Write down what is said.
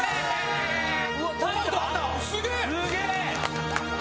すげえ！